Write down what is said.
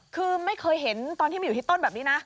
คือไม่เคยเห็นตอนที่มาอยู่ที่ต้นแบบนี้นะ